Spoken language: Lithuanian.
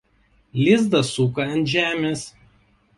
Lizdą suka ant žemės.